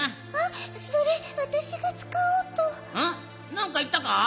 なんかいったか？